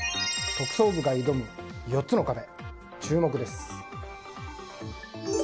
特捜部が挑む４つの壁注目です。